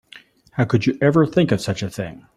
How could you ever think of such a thing?